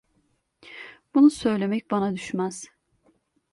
Bunu söylemek bana düşmez.